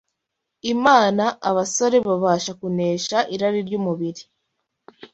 Imana abasore babasha kunesha irari ry’umubiri